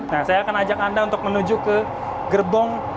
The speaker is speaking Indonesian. nah saya akan ajak anda untuk menuju ke gerbong